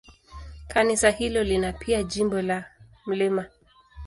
Kanisa hilo lina pia jimbo la Mt.